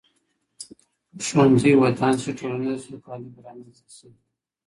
که ښوونځي ودان سي ټولنیزه سوکالي به رامنځته سي.